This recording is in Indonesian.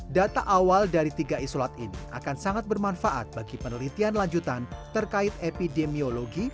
data awal dari tiga isolat ini akan sangat bermanfaat bagi penelitian lanjutan terkait epidemiologi